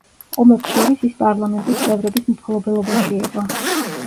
ომებს შორის ის პარლამენტის წევრების მფლობელობაში იყო.